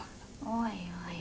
おい